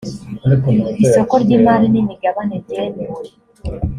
isoko ry’imari n’imigabane ryemewe